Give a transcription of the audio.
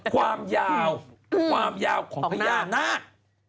ความยาวความยาวของพญานาค